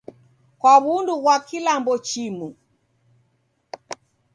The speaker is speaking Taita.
Kwa w'undu ghwa kilambo chimu?